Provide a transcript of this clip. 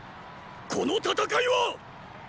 この戦いは！